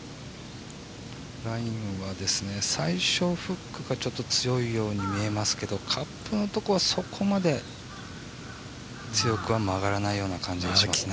ラインは最初、フックがちょっと強いように見えますけどカップの所はそこまで強くは曲がらないような感じがしますね。